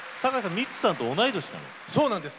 ミッツさんと同い年ですか。